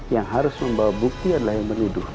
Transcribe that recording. yang harus membawa bukti adalah yang menuduh